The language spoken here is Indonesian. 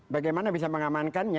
bagaimana bisa mengamankannya